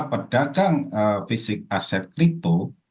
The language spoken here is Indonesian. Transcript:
pedagang fisik aset kripto